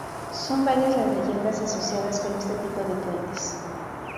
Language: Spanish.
Son varias las leyendas asociadas con este tipo de puentes.